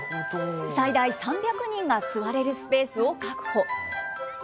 最大３００人が座れるスペースを確保。